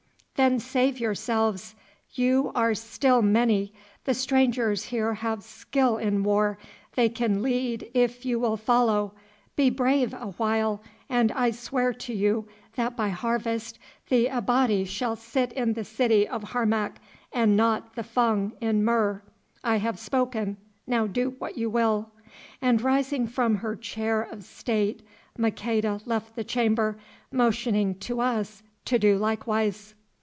"Then save yourselves. You are still many, the strangers here have skill in war, they can lead if you will follow. Be brave a while, and I swear to you that by harvest the Abati shall sit in the city of Harmac and not the Fung in Mur. I have spoken, now do what you will," and rising from her chair of state Maqueda left the chamber, motioning to us to do likewise.